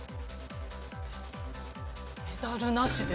メダルなしで？